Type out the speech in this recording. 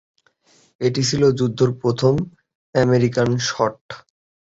এটিই ছিল যুদ্ধে প্রথম আমেরিকান শট।